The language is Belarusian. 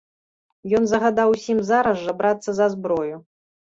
Ён загадаў усім зараз жа брацца за зброю.